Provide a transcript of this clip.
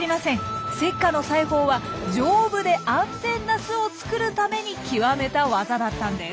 セッカの裁縫は丈夫で安全な巣を作るために極めた技だったんです。